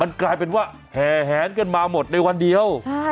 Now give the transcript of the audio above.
กลายเป็นว่าแห่แหนกันมาหมดในวันเดียว